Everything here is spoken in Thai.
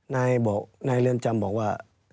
นายเรือนจำบอกว่า